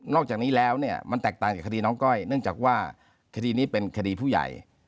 อกจากนี้แล้วเนี่ยมันแตกต่างจากคดีน้องก้อยเนื่องจากว่าคดีนี้เป็นคดีผู้ใหญ่